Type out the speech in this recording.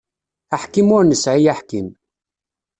Aḥkim ur nesεi aḥkim.